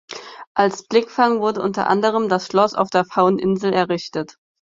Als Blickfang wurde unter anderem das Schloss auf der Pfaueninsel errichtet.